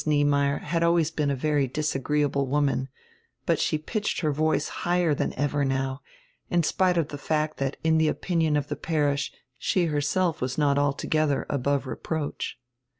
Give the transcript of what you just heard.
Niemeyer had always been a very disagreeable woman, but she pitched her voice higher than ever now, in spite of die fact that in die opinion of die parish she herself was not altogether above reproach.